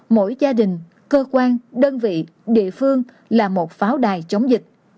mỗi gia đình cơ quan đơn vị địa phương là một pháo đài chống dịch